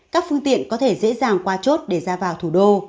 các phương tiện có thể dễ dàng qua chốt để ra vào thủ đô